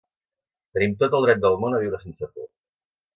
Tenim tot el dret del món a viure sense por.